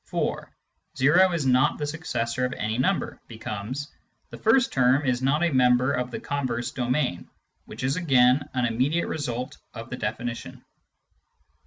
Infinite Cardinal Numbers 83 (4) " o is not the successor of any number " becomes :" The first term is not a member of the converse domain," which is again an immediate result of the definition.